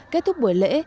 kết thúc buổi lễ